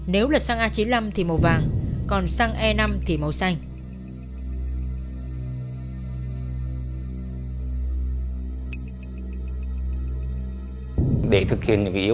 nếu là xăng a chín mươi năm thì màu vàng còn xăng e năm thì màu xanh